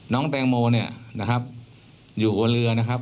น้องแตงโมอยู่หัวเรือ